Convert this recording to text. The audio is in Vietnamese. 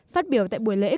phát biểu tại buổi lập tỉnh